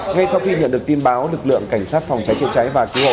ngay sau khi nhận được tin báo lực lượng cảnh sát phòng cháy chữa cháy và cứu hộ